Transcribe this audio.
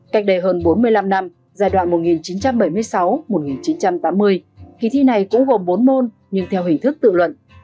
cách đây hơn bốn mươi năm năm giai đoạn một nghìn chín trăm bảy mươi sáu một nghìn chín trăm tám mươi kỳ thi này cũng gồm bốn môn nhưng theo hình thức tự luận